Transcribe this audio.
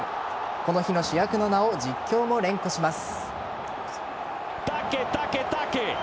この日の主役の名を実況も連呼します。